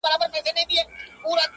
په چا دي ورلېږلي جهاني د قلم اوښکي،